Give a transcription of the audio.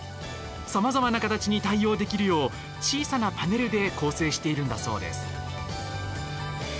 さまざまな形に対応できるよう小さなパネルで構成しているんだそうです。